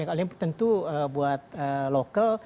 nah yang lain lain tentu buat local